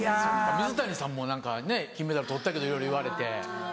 水谷さんも何かね金メダル取ったけどいろいろ言われて。